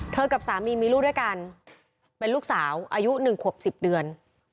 กับสามีมีลูกด้วยกันเป็นลูกสาวอายุ๑ขวบ๑๐เดือน